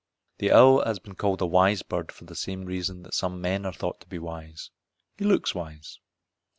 The owl has been called a wise bird for the same reason that some men are thought to be wise he looks wise.